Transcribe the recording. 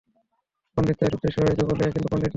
পান্ডিত্য ওর উদ্দেশ্য হয়েছে বলে ও কিন্তু পন্ডিত নয়।